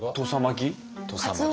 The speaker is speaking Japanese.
土佐巻き？